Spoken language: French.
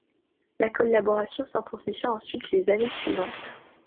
La collaboration s'intensifia ensuite les années suivantes.